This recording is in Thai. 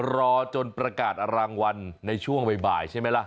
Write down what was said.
รอจนประกาศรางวัลในช่วงบ่ายใช่ไหมล่ะ